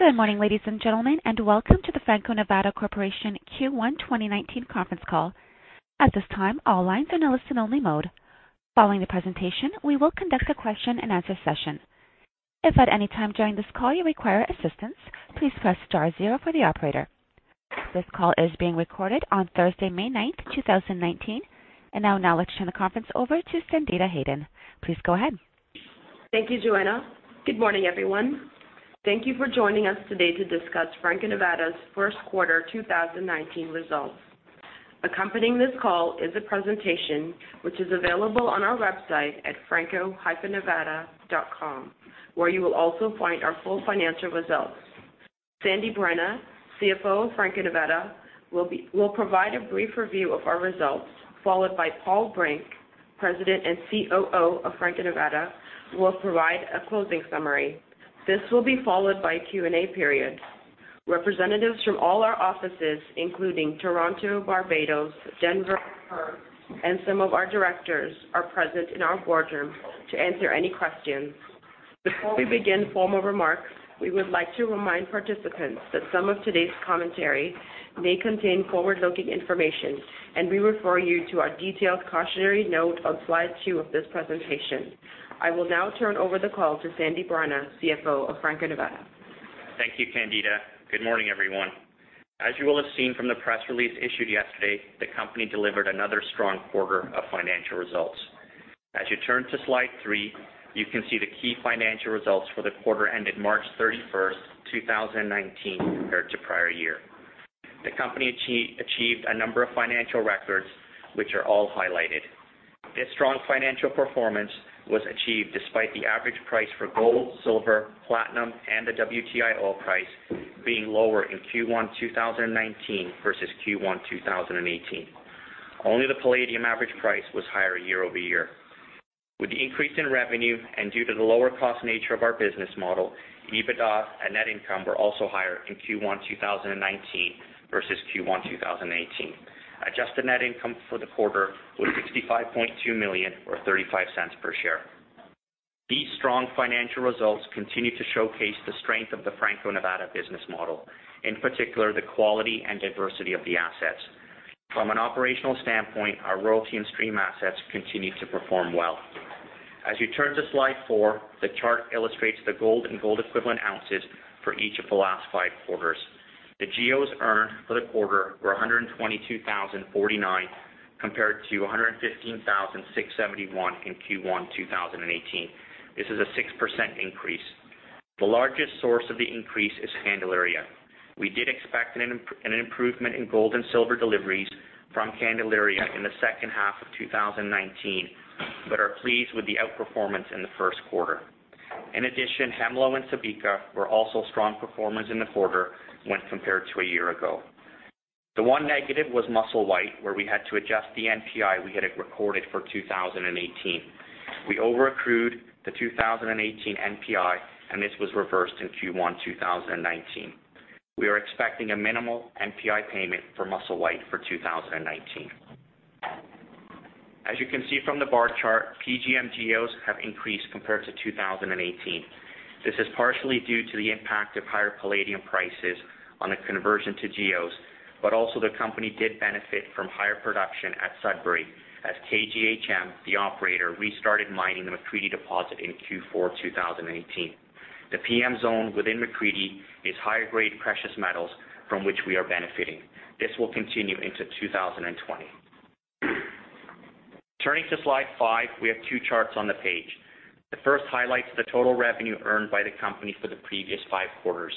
Good morning, ladies and gentlemen, welcome to the Franco-Nevada Corporation Q1 2019 conference call. At this time, all lines are in listen only mode. Following the presentation, we will conduct a question and answer session. If at any time during this call you require assistance, please press star zero for the operator. This call is being recorded on Thursday, May 9th, 2019. I'll now turn the conference over to Candida Hayden. Please go ahead. Thank you, Joanna. Good morning, everyone. Thank you for joining us today to discuss Franco-Nevada's first quarter 2019 results. Accompanying this call is a presentation which is available on our website at franco-nevada.com, where you will also find our full financial results. Sandip Rana, CFO of Franco-Nevada, will provide a brief review of our results, followed by Paul Brink, President and COO of Franco-Nevada, will provide a closing summary. This will be followed by a Q&A period. Representatives from all our offices, including Toronto, Barbados, Denver, Perth, and some of our directors are present in our boardroom to answer any questions. Before we begin formal remarks, we would like to remind participants that some of today's commentary may contain forward-looking information, we refer you to our detailed cautionary note on slide two of this presentation. I will now turn over the call to Sandip Rana, CFO of Franco-Nevada. Thank you, Candida. Good morning, everyone. As you will have seen from the press release issued yesterday, the company delivered another strong quarter of financial results. As you turn to slide three, you can see the key financial results for the quarter ended March 31st, 2019 compared to prior year. The company achieved a number of financial records, which are all highlighted. This strong financial performance was achieved despite the average price for gold, silver, platinum, and the WTI oil price being lower in Q1 2019 versus Q1 2018. Only the palladium average price was higher year-over-year. With the increase in revenue due to the lower cost nature of our business model, EBITDA and net income were also higher in Q1 2019 versus Q1 2018. Adjusted net income for the quarter was $65.2 million or $0.35 per share. These strong financial results continue to showcase the strength of the Franco-Nevada business model, in particular, the quality and diversity of the assets. From an operational standpoint, our royalty and stream assets continue to perform well. As you turn to slide four, the chart illustrates the gold and gold equivalent ounces for each of the last five quarters. The GEOs earned for the quarter were 122,049 compared to 115,671 in Q1 2018. This is a 6% increase. The largest source of the increase is Candelaria. We did expect an improvement in gold and silver deliveries from Candelaria in the second half of 2019, but are pleased with the outperformance in the first quarter. In addition, Hemlo and Subika were also strong performers in the quarter when compared to a year ago. The one negative was Musselwhite, where we had to adjust the NPI we had recorded for 2018. We overaccrued the 2018 NPI, and this was reversed in Q1 2019. We are expecting a minimal NPI payment for Musselwhite for 2019. As you can see from the bar chart, PGM GEOs have increased compared to 2018. This is partially due to the impact of higher palladium prices on the conversion to GEOs, but also the company did benefit from higher production at Sudbury as KGHM, the operator, restarted mining the McCreedy West deposit in Q4 2018. The PM Zone within McCreedy West is higher grade precious metals from which we are benefiting. This will continue into 2020. Turning to slide five, we have two charts on the page. The first highlights the total revenue earned by the company for the previous five quarters.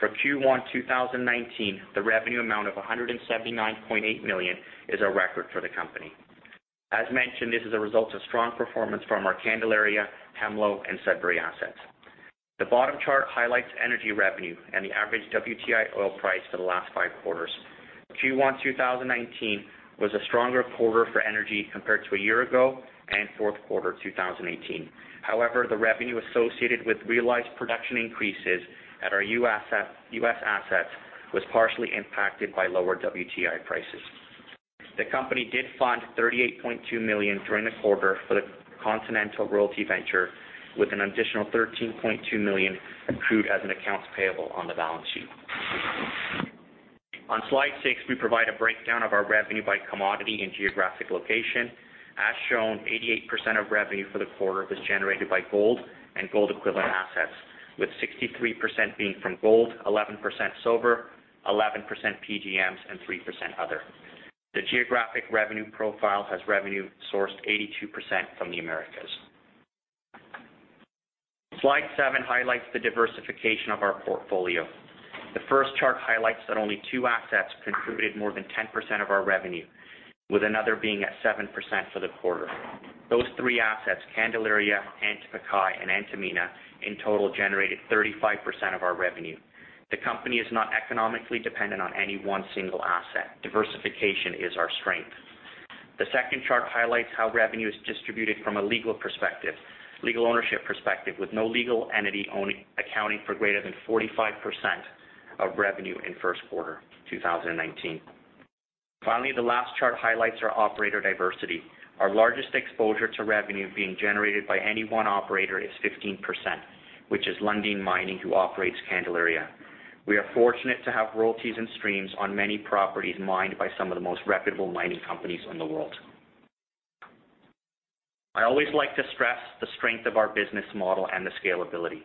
For Q1 2019, the revenue amount of $179.8 million is a record for the company. As mentioned, this is a result of strong performance from our Candelaria, Hemlo, and Sudbury assets. The bottom chart highlights energy revenue and the average WTI oil price for the last five quarters. Q1 2019 was a stronger quarter for energy compared to a year ago and fourth quarter 2018. However, the revenue associated with realized production increases at our U.S. assets was partially impacted by lower WTI prices. The company did fund $38.2 million during the quarter for the Continental Royalty venture with an additional $13.2 million accrued as an accounts payable on the balance sheet. On slide six, we provide a breakdown of our revenue by commodity and geographic location. As shown, 88% of revenue for the quarter was generated by gold and gold equivalent assets, with 63% being from gold, 11% silver, 11% PGMs, and 3% other. The geographic revenue profile has revenue sourced 82% from the Americas. Slide seven highlights the diversification of our portfolio. The first chart highlights that only two assets contributed more than 10% of our revenue, with another being at 7% for the quarter. Those three assets, Candelaria, Antamina, and Antamina, in total, generated 35% of our revenue. The company is not economically dependent on any one single asset. Diversification is our strength. The second chart highlights how revenue is distributed from a legal perspective, legal ownership perspective, with no legal entity accounting for greater than 45% revenue in first quarter 2019. Finally, the last chart highlights our operator diversity. Our largest exposure to revenue being generated by any one operator is 15%, which is Lundin Mining, who operates Candelaria. We are fortunate to have royalties and streams on many properties mined by some of the most reputable mining companies in the world. I always like to stress the strength of our business model and the scalability.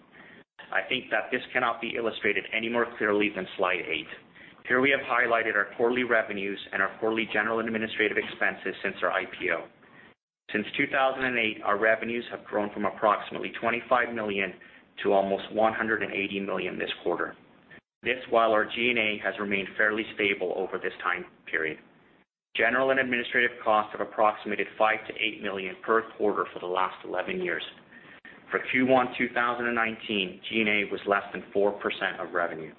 I think that this cannot be illustrated any more clearly than slide eight. Here we have highlighted our quarterly revenues and our quarterly general administrative expenses since our IPO. Since 2008, our revenues have grown from approximately $25 million to almost $180 million this quarter. This while our G&A has remained fairly stable over this time period. General and administrative costs have approximated $5 to $8 million per quarter for the last 11 years. For Q1 2019, G&A was less than 4% of revenue.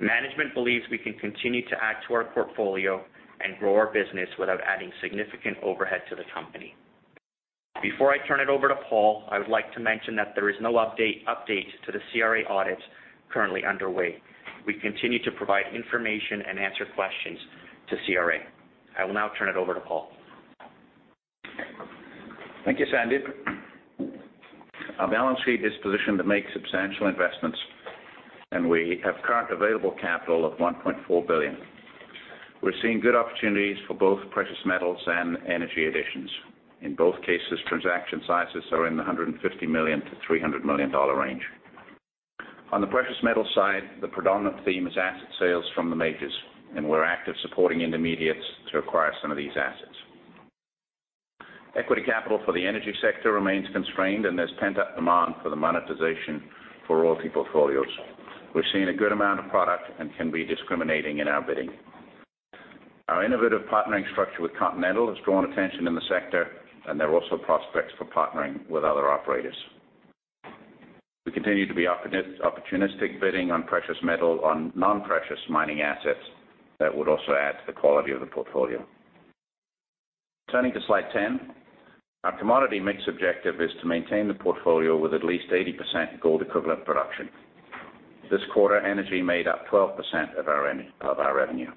Management believes we can continue to add to our portfolio and grow our business without adding significant overhead to the company. Before I turn it over to Paul, I would like to mention that there is no update to the CRA audit currently underway. We continue to provide information and answer questions to CRA. I will now turn it over to Paul. Thank you, Sandip. Our balance sheet is positioned to make substantial investments. We have current available capital of $1.4 billion. We're seeing good opportunities for both precious metals and energy additions. In both cases, transaction sizes are in the $150 million-$300 million range. On the precious metal side, the predominant theme is asset sales from the majors, and we're active supporting intermediates to acquire some of these assets. Equity capital for the energy sector remains constrained, and there's pent-up demand for the monetization for royalty portfolios. We're seeing a good amount of product and can be discriminating in our bidding. Our innovative partnering structure with Continental Resources has drawn attention in the sector. There are also prospects for partnering with other operators. We continue to be opportunistic, bidding on precious metal, on non-precious mining assets that would also add to the quality of the portfolio. Turning to slide 10. Our commodity mix objective is to maintain the portfolio with at least 80% gold-equivalent production. This quarter, energy made up 12% of our revenue.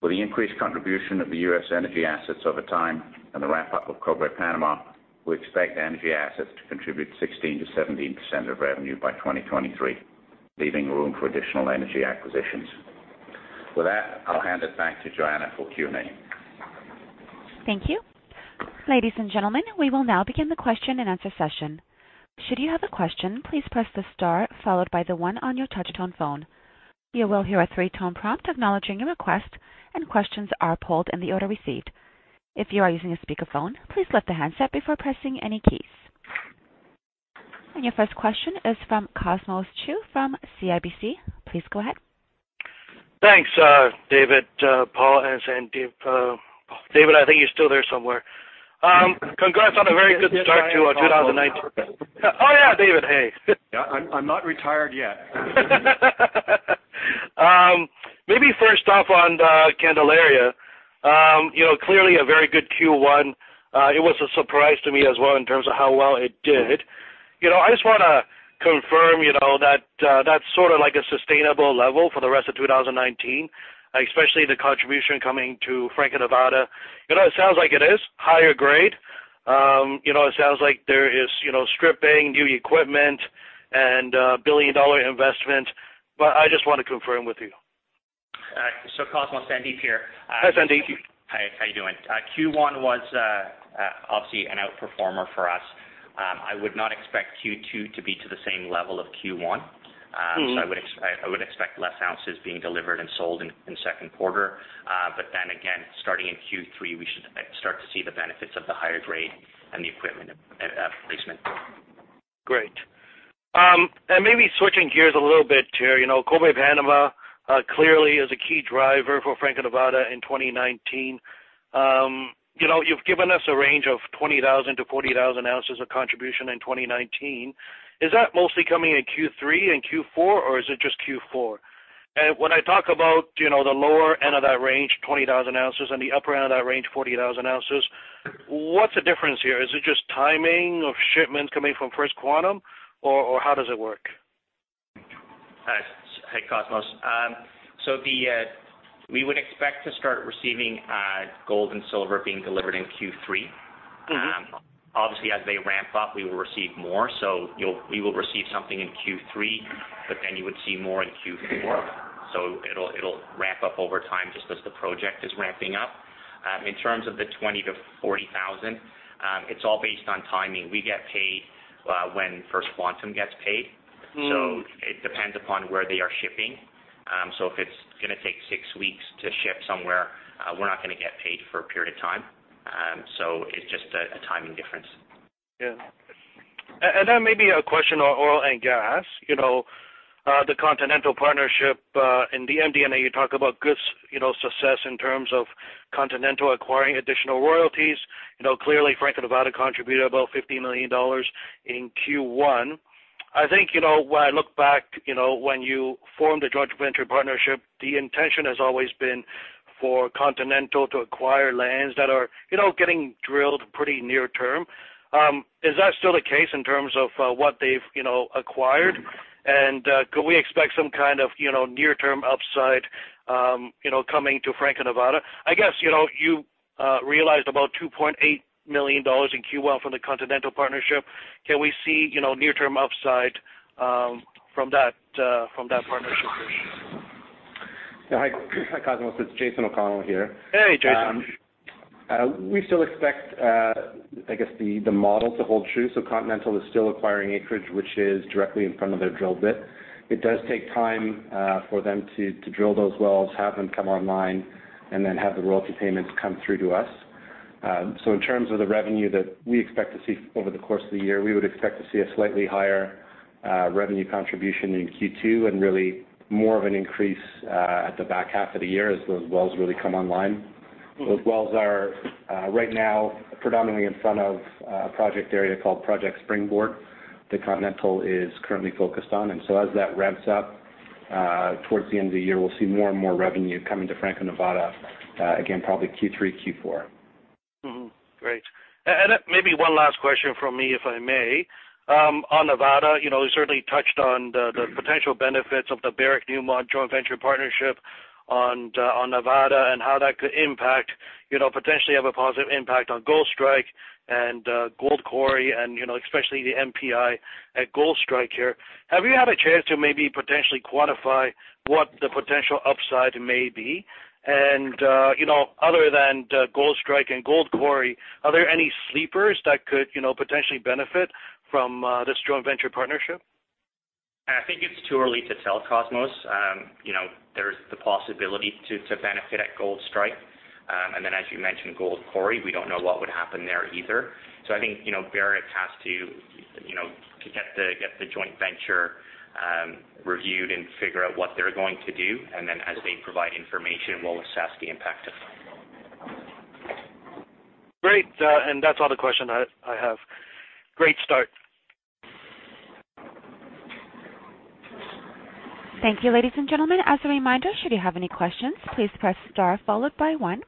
With the increased contribution of the U.S. energy assets over time and the ramp-up of Cobre Panama, we expect energy assets to contribute 16%-17% of revenue by 2023, leaving room for additional energy acquisitions. With that, I'll hand it back to Joanna for Q&A. Thank you. Ladies and gentlemen, we will now begin the question-and-answer session. Should you have a question, please press the star followed by the one on your touch-tone phone. You will hear a three-tone prompt acknowledging your request. Your first question is from Cosmos Chiu from CIBC. Please go ahead. Thanks, David, Paul, and Sandip. Paul, David, I think you're still there somewhere. Congrats on a very good start to 2019. Oh, yeah, David. Hey. I'm not retired yet. Maybe first off on Candelaria. Clearly a very good Q1. It was a surprise to me as well in terms of how well it did. I just want to confirm that's sort of like a sustainable level for the rest of 2019, especially the contribution coming to Franco-Nevada. It sounds like it is higher grade. It sounds like there is stripping, new equipment, and a billion-dollar investment, but I just want to confirm with you. Cosmos, Sandip here. Hi, Sandip. How are you doing? Q1 was obviously an outperformer for us. I would not expect Q2 to be to the same level of Q1. I would expect less ounces being delivered and sold in the second quarter. Again, starting in Q3, we should start to see the benefits of the higher grade and the equipment placement. Great. Maybe switching gears a little bit to Cobre Panama, clearly is a key driver for Franco-Nevada in 2019. You've given us a range of 20,000 to 40,000 ounces of contribution in 2019. Is that mostly coming in Q3 and Q4, or is it just Q4? When I talk about the lower end of that range, 20,000 ounces, and the upper end of that range, 40,000 ounces, what's the difference here? Is it just timing of shipments coming from First Quantum, or how does it work? Hey, Cosmos. We would expect to start receiving gold and silver being delivered in Q3. Obviously, as they ramp up, we will receive more. We will receive something in Q3, but then you would see more in Q4. It'll ramp up over time just as the project is ramping up. In terms of the 20,000 to 40,000, it's all based on timing. We get paid when First Quantum gets paid. It depends upon where they are shipping. If it's going to take six weeks to ship somewhere, we're not going to get paid for a period of time. It's just a timing difference. Yeah. Maybe a question on oil and gas. The Continental partnership in the MD&A, you talk about good success in terms of Continental acquiring additional royalties. Clearly Franco-Nevada contributed about $50 million in Q1. I think, when I look back, when you formed a joint venture partnership, the intention has always been for Continental to acquire lands that are getting drilled pretty near term. Is that still the case in terms of what they've acquired? Could we expect some kind of near-term upside coming to Franco-Nevada? I guess you realized about $2.8 million in Q1 from the Continental partnership. Can we see near-term upside from that partnership? Yeah. Hi, Cosmos. It's Jason O'Connell here. Hey, Jason. We still expect, I guess, the model to hold true. Continental is still acquiring acreage, which is directly in front of their drill bit. It does take time for them to drill those wells, have them come online, and then have the royalty payments come through to us. In terms of the revenue that we expect to see over the course of the year, we would expect to see a slightly higher revenue contribution in Q2 and really more of an increase at the back half of the year as those wells really come online. Those wells are, right now, predominantly in front of a project area called Project Springboard that Continental is currently focused on. As that ramps up towards the end of the year, we'll see more and more revenue coming to Franco-Nevada, again, probably Q3, Q4. Mm-hmm. Great. Maybe one last question from me, if I may. On Nevada, you certainly touched on the potential benefits of the Barrick-Newmont joint venture partnership on Nevada and how that could potentially have a positive impact on Goldstrike and Gold Quarry and especially the NPI at Goldstrike here. Have you had a chance to maybe potentially quantify what the potential upside may be? Other than Goldstrike and Gold Quarry, are there any sleepers that could potentially benefit from this joint venture partnership? I think it's too early to tell, Cosmos. There's the possibility to benefit at Goldstrike. Then as you mentioned, Gold Quarry, we don't know what would happen there either. I think, Barrick has to get the joint venture reviewed and figure out what they're going to do. Then as they provide information, we'll assess the impact of that. Great. That's all the questions I have. Great start. Thank you, ladies and gentlemen. As a reminder, should you have any questions, please press star followed by one.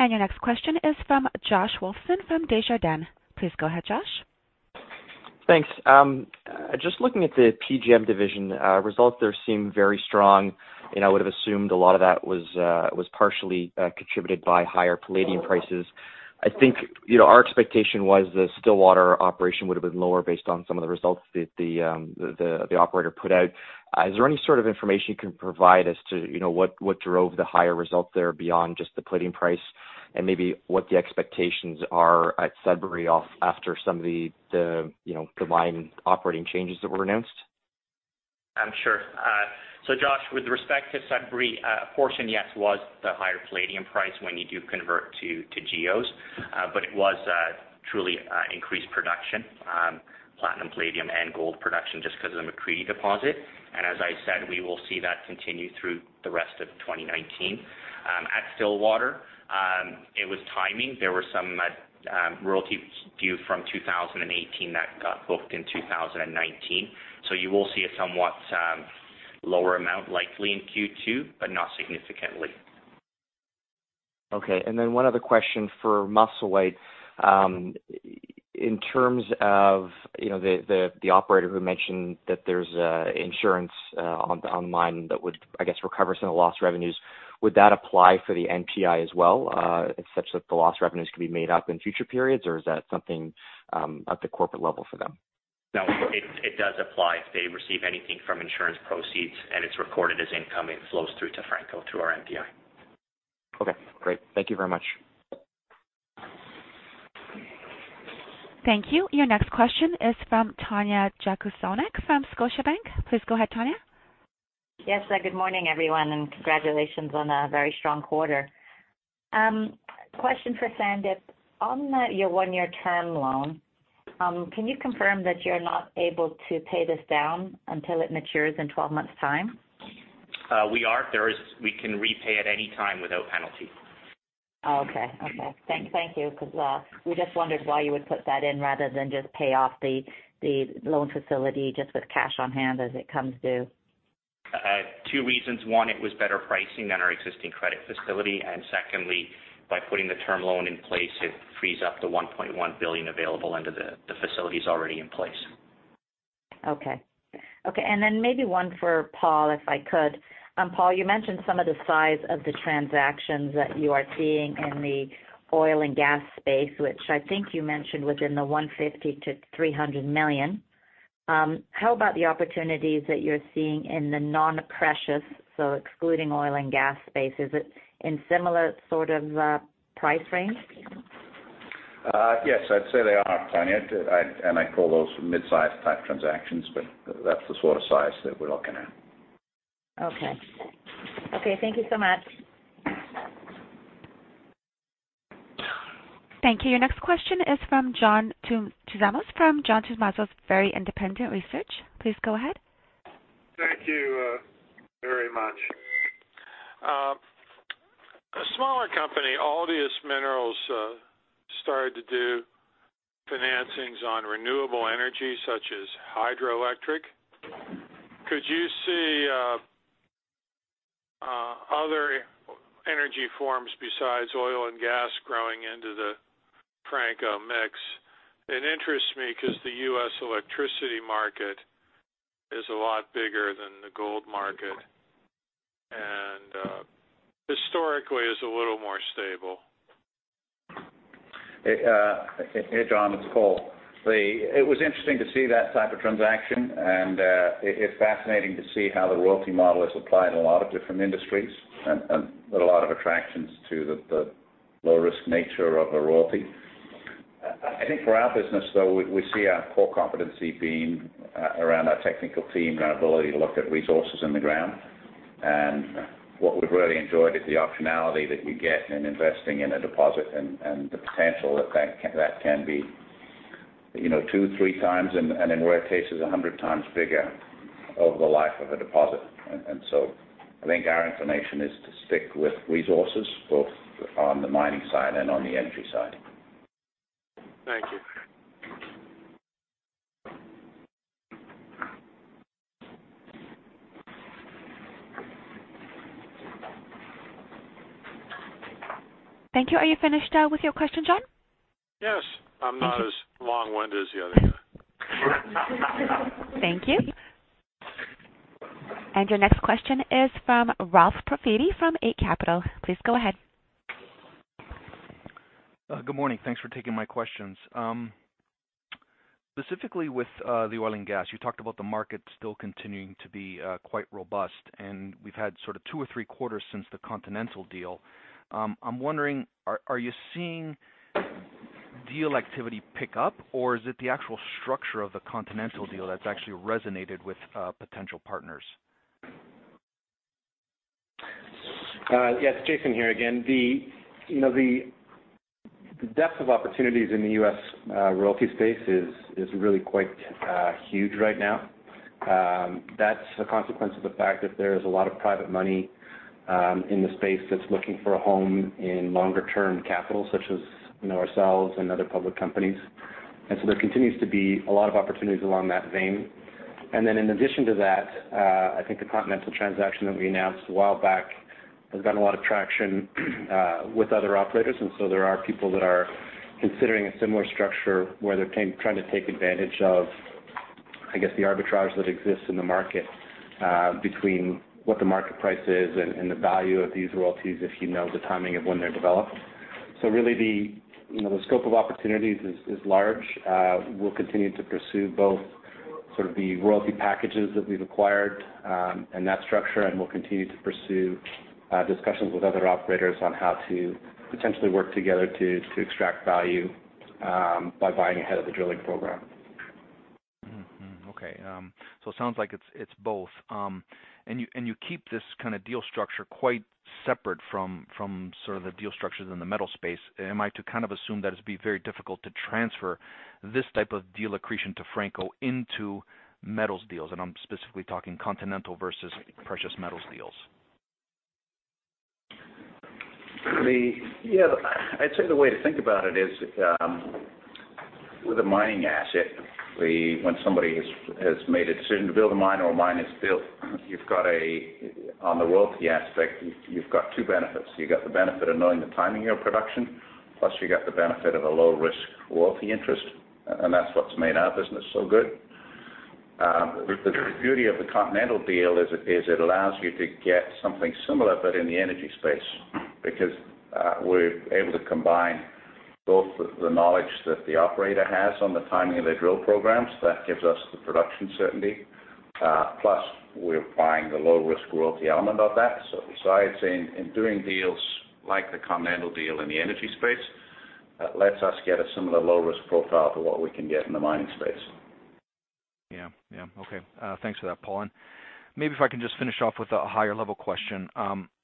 Your next question is from Josh Wolfson from Desjardins. Please go ahead, Josh. Thanks. Just looking at the PGM division, results there seem very strong. I would have assumed a lot of that was partially contributed by higher palladium prices. I think, our expectation was the Stillwater operation would have been lower based on some of the results that the operator put out. Is there any sort of information you can provide as to what drove the higher result there beyond just the palladium price and maybe what the expectations are at Sudbury after some of the mine operating changes that were announced? Sure. Josh, with respect to Sudbury, a portion, yes, was the higher palladium price when you do convert to GEOs. It was truly increased production, platinum, palladium, and gold production, just because of the McCreedy deposit. As I said, we will see that continue through the rest of 2019. At Stillwater, it was timing. There were some royalties due from 2018 that got booked in 2019. You will see a somewhat lower amount likely in Q2, but not significantly. Okay. One other question for Musselwhite. In terms of the operator who mentioned that there's insurance on the mine that would, I guess, recover some of the lost revenues, would that apply for the NPI as well, such that the lost revenues could be made up in future periods, or is that something at the corporate level for them? No, it does apply. If they receive anything from insurance proceeds and it's recorded as income, it flows through to Franco-Nevada, through our NPI. Okay, great. Thank you very much. Thank you. Your next question is from Tanya Jakusconek from Scotiabank. Please go ahead, Tanya. Yes. Good morning, everyone, and congratulations on a very strong quarter. Question for Sandip. On your one-year term loan, can you confirm that you're not able to pay this down until it matures in 12 months' time? We are. We can repay at any time without penalty. Oh, okay. Thank you, because we just wondered why you would put that in rather than just pay off the loan facility just with cash on hand as it comes due. Two reasons. One, it was better pricing than our existing credit facility, and secondly, by putting the term loan in place, it frees up the $1.1 billion available under the facilities already in place. Okay. Maybe one for Paul, if I could. Paul, you mentioned some of the size of the transactions that you are seeing in the oil and gas space, which I think you mentioned within the $150 million-$300 million. How about the opportunities that you're seeing in the non-precious, so excluding oil and gas space? Is it in similar sort of price range? Yes, I'd say they are, Tanya, and I call those mid-size type transactions, but that's the sort of size that we're looking at. Okay. Thank you so much. Thank you. Your next question is from John Tumazos from John Tumazos Very Independent Research. Please go ahead. Thank you very much. A smaller company, Altius Minerals, started to do financings on renewable energy such as hydroelectric. Could you see other energy forms besides oil and gas growing into the Franco mix? It interests me because the U.S. electricity market is a lot bigger than the gold market, and historically is a little more stable. Hey, John, it's Paul. It was interesting to see that type of transaction, it's fascinating to see how the royalty model is applied in a lot of different industries and a lot of attractions to the low-risk nature of a royalty. I think for our business, though, we see our core competency being around our technical team and our ability to look at resources in the ground. What we've really enjoyed is the optionality that you get in investing in a deposit and the potential that can be two, three times, and in rare cases, 100 times bigger over the life of a deposit. I think our inclination is to stick with resources, both on the mining side and on the energy side. Thank you. Thank you. Are you finished with your question, John? Yes. I'm not as long-winded as the other guy. Thank you. Your next question is from Ralph Profiti from Eight Capital. Please go ahead. Good morning. Thanks for taking my questions. Specifically with the oil and gas, you talked about the market still continuing to be quite robust, and we've had two or three quarters since the Continental deal. I'm wondering, are you seeing deal activity pick up, or is it the actual structure of the Continental deal that's actually resonated with potential partners? Yes, Jason here again. The depth of opportunities in the U.S. royalty space is really quite huge right now. That's a consequence of the fact that there is a lot of private money in the space that's looking for a home in longer term capital, such as ourselves and other public companies. There continues to be a lot of opportunities along that vein. In addition to that, I think the Continental transaction that we announced a while back has gotten a lot of traction with other operators. There are people that are considering a similar structure where they're trying to take advantage of, I guess, the arbitrage that exists in the market between what the market price is and the value of these royalties if you know the timing of when they're developed. Really, the scope of opportunities is large. We'll continue to pursue both sort of the royalty packages that we've acquired and that structure, and we'll continue to pursue discussions with other operators on how to potentially work together to extract value by buying ahead of the drilling program. Okay. It sounds like it's both. You keep this kind of deal structure quite separate from the deal structures in the metal space. Am I to assume that it'd be very difficult to transfer this type of deal accretion to Franco into metals deals? I'm specifically talking Continental versus precious metals deals. Yeah. I'd say the way to think about it is, with a mining asset, when somebody has made a decision to build a mine or a mine is built, on the royalty aspect, you've got two benefits. You've got the benefit of knowing the timing of production, plus you got the benefit of a low-risk royalty interest, and that's what's made our business so good. The beauty of the Continental deal is it allows you to get something similar but in the energy space, because we're able to combine both the knowledge that the operator has on the timing of their drill programs, that gives us the production certainty, plus we're applying the low-risk royalty element of that. I'd say in doing deals like the Continental deal in the energy space, that lets us get a similar low-risk profile to what we can get in the mining space. Yeah. Okay. Thanks for that, Paul. Maybe if I can just finish off with a higher level question.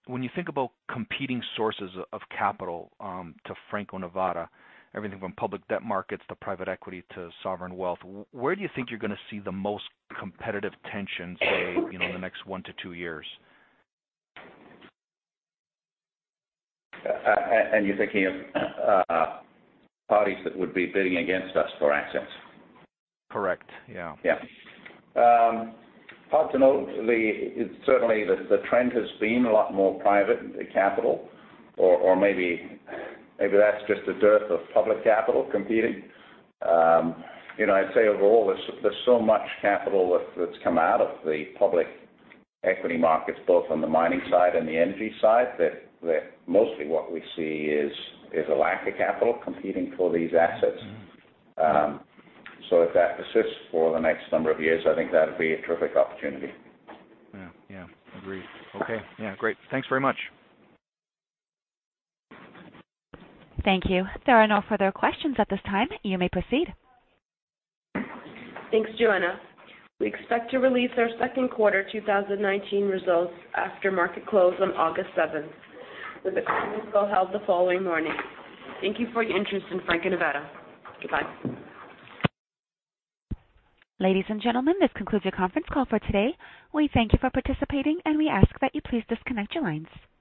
When you think about competing sources of capital to Franco-Nevada, everything from public debt markets to private equity to sovereign wealth, where do you think you're going to see the most competitive tension, say, in the next one to two years? You're thinking of parties that would be bidding against us for assets? Correct, yeah. Yeah. Hard to know. Certainly, the trend has been a lot more private capital, or maybe that's just a dearth of public capital competing. I'd say overall, there's so much capital that's come out of the public equity markets, both on the mining side and the energy side, that mostly what we see is a lack of capital competing for these assets. If that persists for the next number of years, I think that'd be a terrific opportunity. Yeah. Agreed. Okay. Yeah, great. Thanks very much. Thank you. There are no further questions at this time. You may proceed. Thanks, Joanna. We expect to release our second quarter 2019 results after market close on August seventh, with a conference call held the following morning. Thank you for your interest in Franco-Nevada. Goodbye. Ladies and gentlemen, this concludes your conference call for today. We thank you for participating, and we ask that you please disconnect your lines.